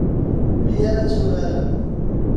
Mi ara tturaren.